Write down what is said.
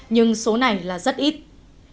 nhưng số này là rất yếu